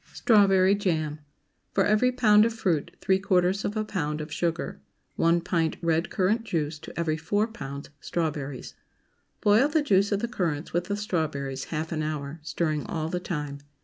STRAWBERRY JAM. ✠ For every pound of fruit three quarters of a pound of sugar. 1 pint red currant juice to every 4 pounds strawberries. Boil the juice of the currants with the strawberries half an hour, stirring all the time.